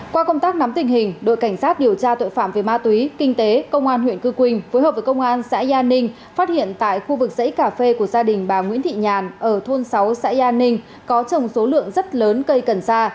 qua công tác nắm tình hình đội cảnh sát điều tra tội phạm về ma túy kinh tế công an huyện cư quỳnh phối hợp với công an xã gia ninh phát hiện tại khu vực dãy cà phê của gia đình bà nguyễn thị nhàn ở thôn sáu xã an ninh có trồng số lượng rất lớn cây cần sa